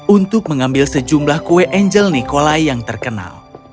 untuk mengambil sejumlah kue angel nikolai yang terkenal